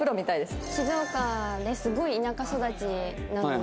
静岡ですごい田舎育ちなので。